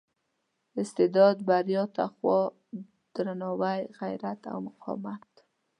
استعداد بریا تقوا درناوي غیرت او مقاومت.